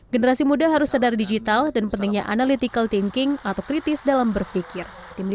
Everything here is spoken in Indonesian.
generasi muda harus sadar digital dan pentingnya analytical thinking atau kritis dalam berpikir